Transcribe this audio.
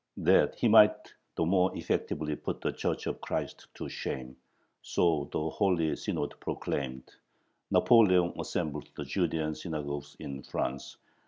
That he might the more effectively put the Church of Christ to shame so the Holy Synod proclaimed Napoleon assembled the Judean Synagogues in France